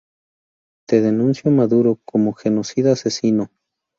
Te denuncio Maduro, como genocida, asesino.